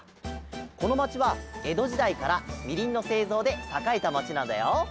このまちはえどじだいからみりんのせいぞうでさかえたまちなんだよ。